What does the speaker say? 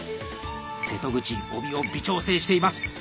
瀬戸口帯を微調整しています。